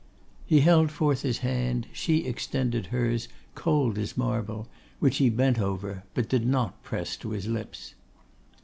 He held forth his hand; she extended hers, cold as marble, which he bent over, but did not press to his lips.